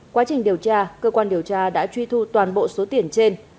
quá trình điều tra cơ quan điều tra đã truy thu toàn bộ số tiền trên